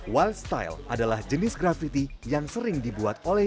wild style adalah jenis grafiti yang sering dibuat oleh